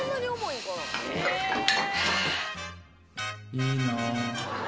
いいなー。